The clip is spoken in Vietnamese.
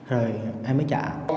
rồi em mới chạy